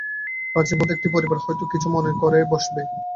প্রাচীনপন্থী একটি পরিবার, হয়তো কিছু মনে করে বসবে।